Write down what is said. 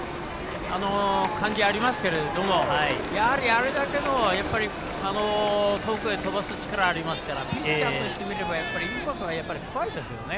やはり、あれだけの遠くへ飛ばす力ありますからピッチャーとしてみればインコースは怖いですよね。